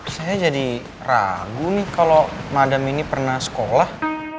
saya jadi ragu nih kalau madam ini pernah sekolah